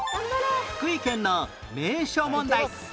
福井県の名所問題